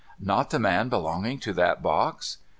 ' Not the man belonging to that box